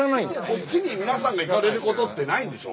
こっちに皆さんが行かれることってないんでしょ？